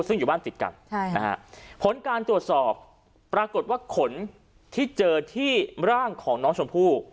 ซึ่งอยู่บ้านติดกันใช่นะฮะผลการตรวจสอบปรากฏว่าขนที่เจอที่ร่างของน้องชมพู่